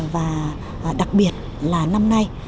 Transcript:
và đặc biệt là năm nay